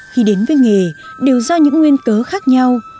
khi đến với nghề đều do những nguyên cớ khác nhau